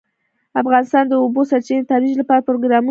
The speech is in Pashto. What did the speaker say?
افغانستان د د اوبو سرچینې د ترویج لپاره پروګرامونه لري.